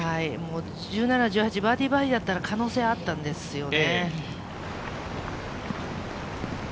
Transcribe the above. １７・１８でバーディー回りだったら、可能性はあったんですよね。